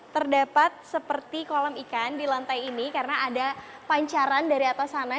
terdapat seperti kolam ikan di lantai ini karena ada pancaran dari atas sana